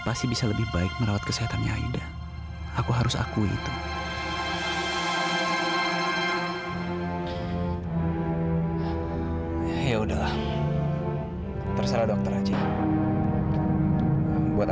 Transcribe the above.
kamu sabar aksan kamu sabar